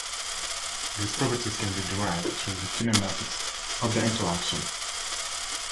These properties can be derived through the kinematics of the interaction.